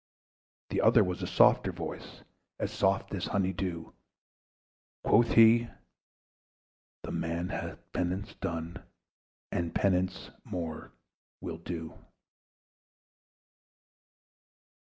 The other was a softer voice, As soft as honey dew: Quoth he, "The man hath penance done, And penance more will do."